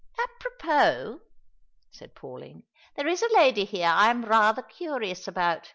"Apropos," said Pauline. "There is a lady here I am rather curious about.